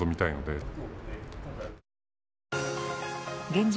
現状